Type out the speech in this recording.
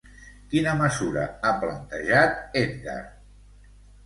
Quina mesura ha plantejat Edgar?